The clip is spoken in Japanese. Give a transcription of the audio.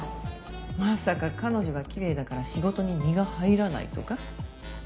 まさか彼女がきれいだから仕事に身が入らないとか？